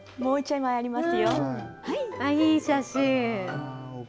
いい写真。